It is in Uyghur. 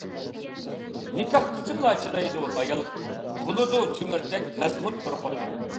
نىكاھى ئۈچۈنلا چىدايدۇ ئايال بولىدۇ تۆمۈردەك مەزمۇت بىر خوتۇن.